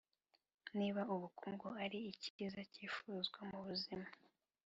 Niba ubukungu ari icyiza cyifuzwa mu buzima,